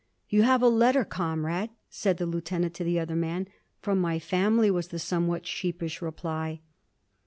"You have a letter, comrade!" said the Lieutenant to the other man. "From my family," was the somewhat sheepish reply.